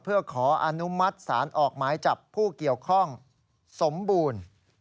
เพื่อขออนุมัติศาลออกหมายจับผู้เกี่ยวข้องสมบูรณ์